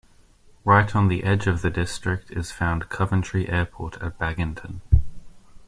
Right on the edge of the district is found Coventry Airport at Baginton.